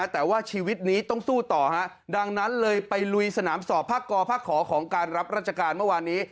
แต่ว่าชีวิตนี้ต้องสู้ต่อฮะดังนั้นเลยไปลุยสนามสอบภาคกอภาคขอของการรับราชการเมื่อวานนี้